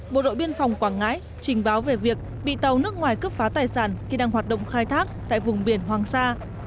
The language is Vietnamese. bộ đội biên phòng quảng ngãi trình báo về việc bị tàu nước ngoài cướp phá tài sản khi đang hoạt động khai thác tại vùng biển hoàng sa